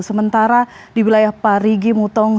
sementara di wilayah parigimutong